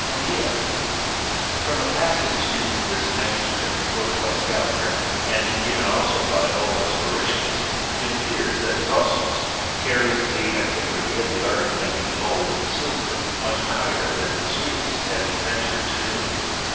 xnft^f ckemia. From a passage in this manuscript, quoted by Scaliger, and given also by Olaus Borri chius, it appears that Zosimus carries the antiquity of the art of making gold and silver, much higher than Suidas has ventured to do.